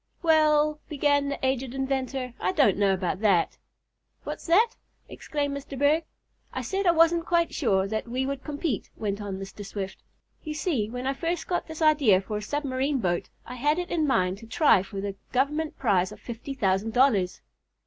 "Well," began the aged inventor, "I don't know about that." "What's that?" exclaimed Mr. Berg. "I said I wasn't quite sure that we would compete," went on Mr. Swift. "You see, when I first got this idea for a submarine boat I had it in mind to try for the Government prize of fifty thousand dollars."